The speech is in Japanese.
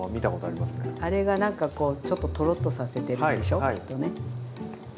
あれが何かこうちょっとトロッとさせてるでしょきっとね。